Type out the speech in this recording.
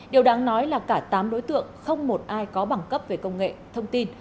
điều đáng nói là cả tám đối tượng không một ai có bằng cấp về công nghệ thông tin